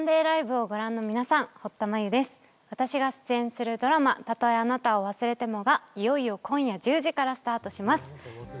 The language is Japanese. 私が主演するドラマ「たとえあなたを忘れても」がいよいよ今夜１０時からスタートします。